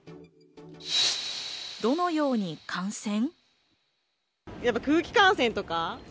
どのように感染？